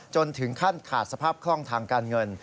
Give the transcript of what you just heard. จนถึงขั้นขาดสภาพคล่องทางการเงิน